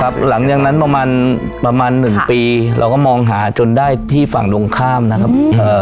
ครับหลังจากนั้นประมาณ๑ปีเราก็มองหาจนได้ที่ฝั่งตรงข้ามนะครับ